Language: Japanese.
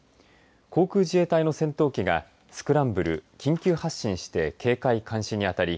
航空自衛隊の戦闘機がスクランブル、緊急発進して警戒・監視にあたり